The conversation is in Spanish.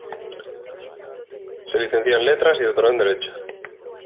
Se licenció en Letras y doctoró en Derecho.